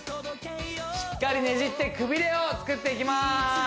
しっかりねじってくびれをつくっていきます